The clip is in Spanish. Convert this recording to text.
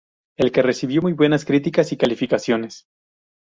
El que recibió muy buenas críticas y calificaciones.